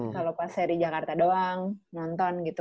kalau pas seri jakarta doang nonton gitu